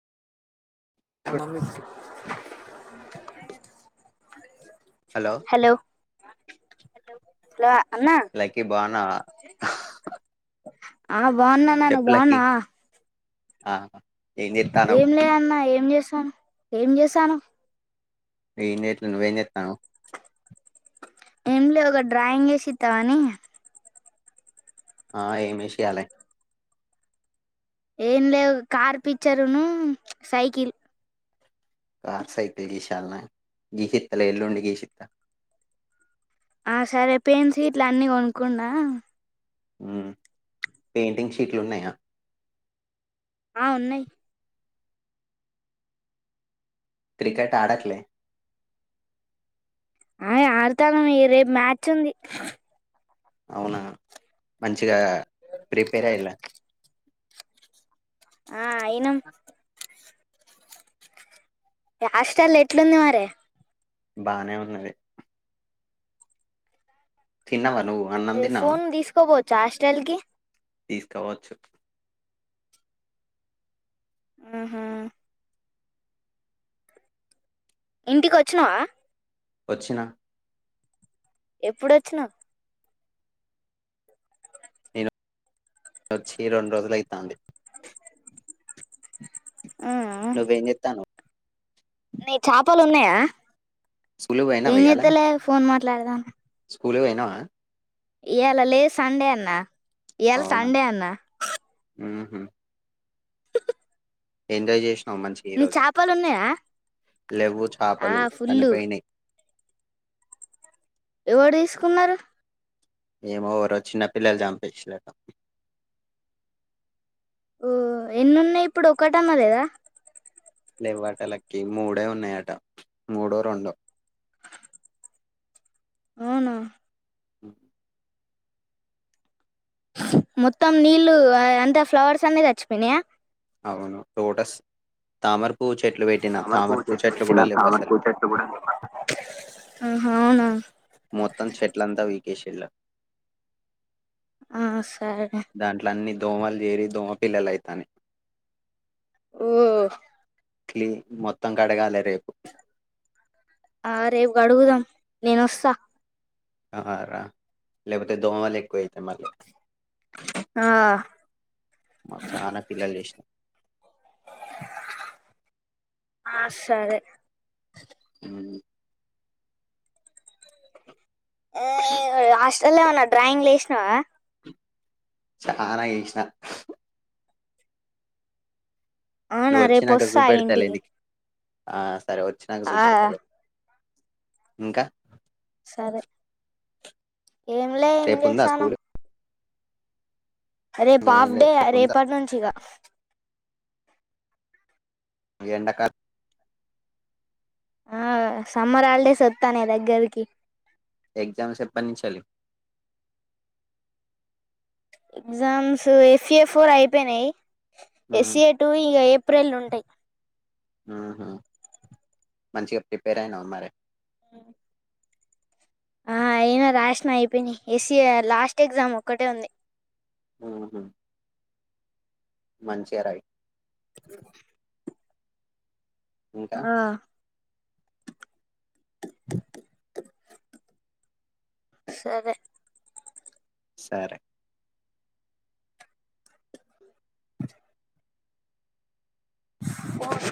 మా bus mummy hello hello అన్నా లైకీ బావున్నావా ఆ బావున్నాన నువ్ బావున్నావా ఆ ఏం చేత్తానవ్ ఏం లేదన్నా ఏం చేసాన ఏంచేసానవ్ ఏం జెయట్లే నువేంజేత్తానవ్ ఏంలేదొక డ్రాయింగేషిత్తవని ఆ ఏమేషియాలె ఏం లేవు కార్ పిచ్చరున్నూ సైకిల్ కార్ సైకిల్ గీశియాల్నా గీషిత్తలే ఎల్లుండి గీషిత్త ఆ సరే పెన్స్ గిట్ల అన్నీ కొనుక్కున్నా ఉ పెయింటింగ్ షీట్లున్నయా ఆ ఉన్నయ్ క్రికెట్ ఆడట్లే ఆయ్ ఆడతాన మిగ రేపు మ్యాచ్చుంది అవునా మంచిగా ప్రిపేర్ అయిల్లా ఆ అయినం ఇ ఆష్టల్లెట్లుంది మరె బానే ఉన్నది తిన్నావ ఏ ఫోన్ దీసుకబోచ్చాస్టల్ కి తీసుకబోచ్చు ఆహా ఇంటికొచ్చినవా ఒచ్చినా ఎప్పుడొచ్చినవ్ నేను వచ్చి రెండు రోజులైతాంది ఆ నువ్వేంజేత్తాన్నవ్ నీ చేపాలున్నాయా స్కూల్ కి పోయినావా ఇయ్యాల ఏంజెత్తలే ఫోన్ మాట్లాడదాం స్కూల్ కు పొయినవా ఇయ్యాల లేదు సండే అన్నా ఈయాల సండే అన్నా ఊ హు ఎంజాయ్ చేయ్ ఆ మంచి ఈ నీ రోజే చేపలు ఉన్నాయా లెవ్వు ఆ చేపలు ఫుల్ చనిపోయినై ఎవడు తీసుకున్నరు ఏమో వోరో చిన్నపిల్లల్చంపేసిరట ఓ ఎన్నున్నయ్ ఇప్పుడు ఒకటన్న లేదా లెవ్వట లక్కీ మూడే ఉన్నయట మూడో రెండో అవునా మొత్తం నీళ్ళు అయంత ఫ్లవర్స్ అన్ని సచ్చిపొయినయా అవును లొటస్ తామర్ తామరపవ్వు చెట్లు తెచ్చిన అసలు తామరపవ్వు చెట్టు కూడా ఆహా అవునా మొత్తం చెట్లంతా వీకేేశిల్లు ఆ సరే అన్ని దోమలు జేరి దోమ పిల్లలు అయితాన్నాయి ఓ క్లి మొత్తం కడగాలె ఆ రేపు కడుగుదాం నేనొస్సా ఆ రా లేకపోతే దోమలు ఎక్కువయితాయ్ మళ్ళీ ఆ మా చానా పిల్లలు చేసినా ఆ సరే ఉమ్ ఆ లాస్టల్లో ఉన్న డ్రాయింగ్లు వేసినవా చానా ఏసిన అవునా నువ్వు రేపు వచ్చినంక వస్తా చూపెడతాలే ఇంటికి నీకి ఆ సరే వచ్చినంక ఆ, చూపెడతలే ఇంకా సరే ఏంలే ఏం రేపుందా చేస్తాను స్కూల్ రేపు ఏం హాఫ్ డే లేదు రేపు ఉందా రేపటి నుంచిగా ఎండకా ఆ సమ్మర్ హాలిడేస్ వత్తాన్నాయ్ దగ్గరికి ఎగ్జామ్స్ ఎప్పనుంచెల్లి ఎగ్జామ్స్ ఎఫ్ ఎ ఫోర్ అయిపోయినాయి ఎస్సే టూ ఇగ ఏ ప్ ప్రెలుంటాయి ఊ హ్మ్ మంచిగా ప్రిపేర్ అయినావ మరి ఆ ఆ అయినా రాసిన అయిపోయినాయి ఎస్సే లాస్ట్ ఎగ్జామ్ ఒక్కటే ఉంది మ్మ్ హ్మ్ మంచిగా రాయి ఇంకా ఆ సరే సరే ఓ